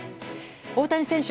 大谷選手